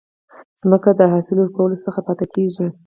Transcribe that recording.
ځمکه د حاصل ورکولو څخه پاتي کیږي.